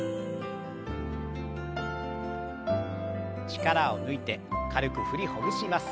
力を抜いて軽く振りほぐします。